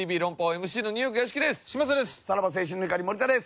ＭＣのニューヨーク屋敷です。